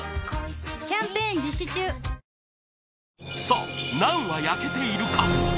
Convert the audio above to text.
さあナンは焼けているか？